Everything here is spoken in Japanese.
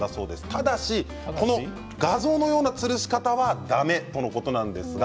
ただし、この画像のようなつるし方は、だめとのことですか。